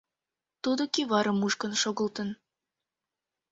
Тудо кӱварым мушкын шогылтын.